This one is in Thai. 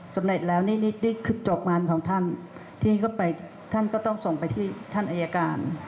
สำเร็จแล้วนี่คือจบงานของท่านที่เข้าไปท่านก็ต้องส่งไปที่ท่านอายการ